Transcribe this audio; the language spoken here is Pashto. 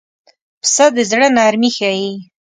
پسه د زړه نرمي ښيي.